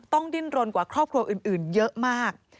ดิ้นรนกว่าครอบครัวอื่นเยอะมาก